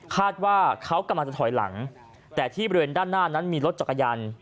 คาดว่าเขากำลังจะถอยหลังแต่ที่บริเวณด้านหน้านั้นมีรถจักรยาน